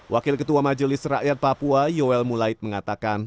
wakil ketua majelis rakyat papua yowel mulaid mengatakan